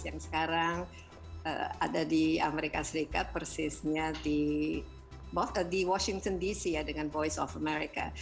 yang sekarang ada di amerika serikat persisnya di washington dc ya dengan voice of america